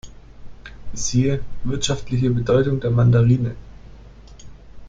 Siehe: Wirtschaftliche Bedeutung der Mandarine